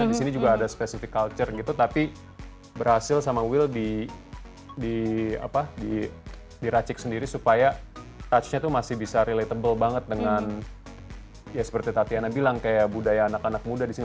di sini juga ada spesifik culture gitu tapi berhasil sama will diracik sendiri supaya touchnya tuh masih bisa relatable banget dengan ya seperti tatiana bilang kayak budaya anak anak muda di sini